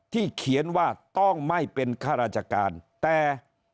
เขียนว่าต้องไม่เป็นข้าราชการแต่